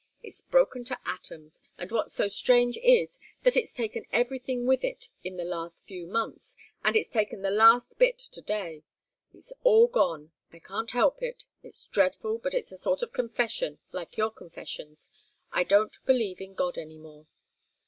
It's broken to atoms, and what's so strange is, that it's taken everything with it in the last few months and it's taken the last bit to day. It's all gone. I can't help it. It's dreadful but it's a sort of confession, like your confessions. I don't believe in God any more."